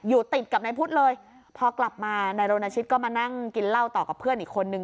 ติดกับนายพุทธเลยพอกลับมานายรณชิตก็มานั่งกินเหล้าต่อกับเพื่อนอีกคนนึง